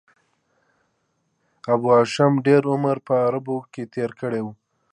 ابو محمد هاشم ډېر عمر په عربو کښي تېر کړی وو.